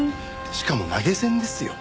しかも投げ銭ですよ。